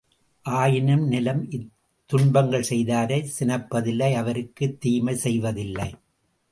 ஆயினும் நிலம் இத்துன்பங்கள் செய்தாரைச் சினப்பதில்லை அவருக்குத் தீமை செய்வதில்லை.